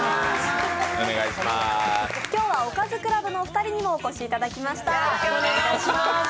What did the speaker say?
今日はおかずクラブのお二人にもお越しいただきました。